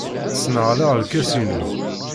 Sneɣleɣ lkas-innu.